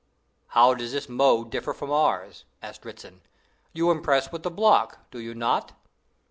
"How does this mode differ from ours?" asked Dritzhn. "You impress with the block, do you not?"